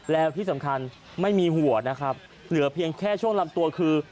แล้วที่สำคัญไม่มีหัวนะครับเหลือเพียงแค่ช่วงลำตัวคือ